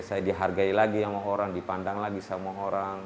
saya dihargai lagi sama orang dipandang lagi sama orang